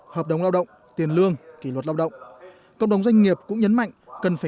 hợp đồng lao động tiền lương kỷ luật lao động cộng đồng doanh nghiệp cũng nhấn mạnh cần phải